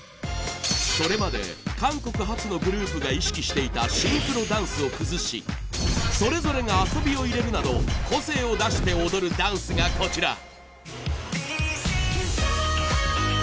それまで韓国発のグループが意識していたシンクロダンスを崩しそれぞれが遊びを入れるなど個性を出して踊るダンスがこちら。